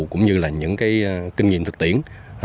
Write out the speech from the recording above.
cũng như là những cái kinh nghiệm thực tiễn